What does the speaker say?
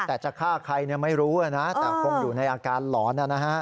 แต่จะฆ่าใครไม่รู้นะแต่คงอยู่ในอาการหลอนนะฮะ